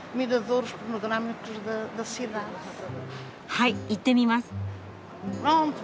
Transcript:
はい行ってみます。